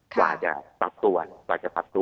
กว่าจะปรับตัวกว่าจะปรับตัว